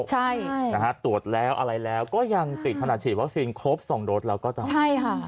ใช่นะฮะตรวจแล้วอะไรแล้วก็ยังติดขนาดฉีดวัคซีนครบสองโดสแล้วก็ต้องใช่ค่ะ